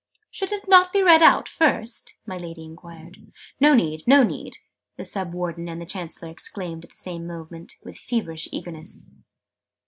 "Should it not be read out, first?" my Lady enquired. "No need, no need!" the Sub Warden and the Chancellor exclaimed at the same moment, with feverish eagerness.